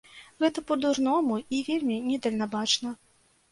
Гэта па-дурному і вельмі недальнабачна.